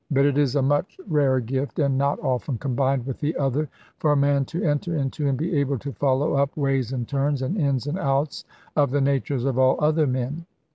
But it is a much rarer gift, and not often combined with the other, for a man to enter into, and be able to follow up, ways and turns, and ins and outs, of the natures of all other men.